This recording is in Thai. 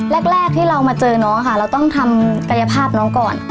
แรกที่เรามาเจอน้องค่ะเราต้องทำกายภาพน้องก่อน